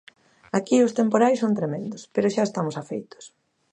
Aquí os temporais son tremendos, pero xa estamos afeitos.